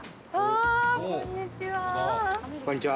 こんにちは。